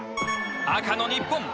赤の日本。